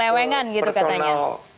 penyelewengan gitu katanya